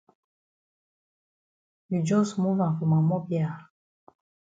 You jus move am for ma mop ya.